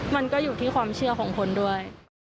มันก็อยู่ที่ความเชื่อของคนด้วย